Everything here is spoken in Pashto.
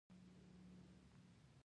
علمي لارو ختمې نه کړو.